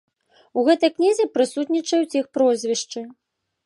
У гэтай кнізе прысутнічаюць іх прозвішчы.